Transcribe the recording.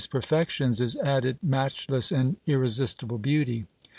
perfections is added matchless and irresistible beauty.